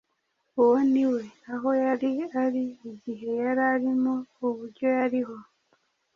Uwo ari we, aho yari ari, igihe yari arimo, uburyo yariho,